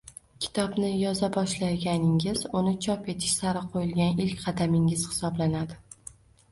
Kitobni yoza boshlaganingiz uni chop etish sari qo’yilgan ilk qadamingiz hisoblanadi